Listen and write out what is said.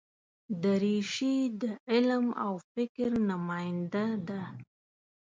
دریشي د علم او فکر نماینده ده.